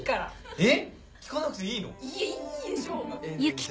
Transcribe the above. えっ？